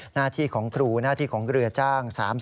หน้าที่ของครูหน้าที่ของเรือจ้าง๓๐